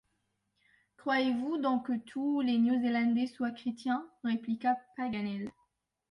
Croyez-vous donc que tous les Néo-Zélandais soient chrétiens? répliqua Paganel.